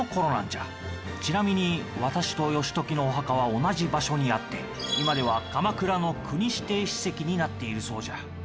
ちなみに私と義時のお墓は同じ場所にあって今では鎌倉の国指定史跡になっているそうじゃ。